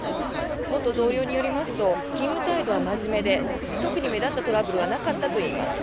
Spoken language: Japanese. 元同僚によりますと勤務態度は真面目で特に目立ったトラブルはなかったといいます。